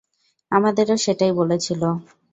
আমাদেরও সেটাই বলেছিল।